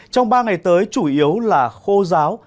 trong ba ngày tới chủ yếu là khô giáo